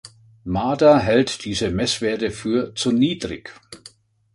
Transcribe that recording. Mader hält diese Messwerte für zu niedrig.